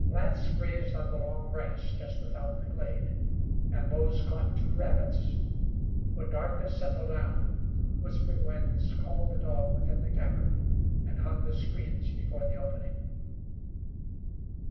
Lance grazed on the long grass just without the glade, and Mose caught two rabbits. When darkness settled down Whispering Winds called the dog within the cavern, and hung the screens before the opening.